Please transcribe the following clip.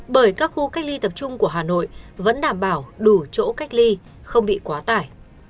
bởi các khu cách ly tập trung của hà nội vẫn đảm bảo đủ chỗ cách ly không bị quá tải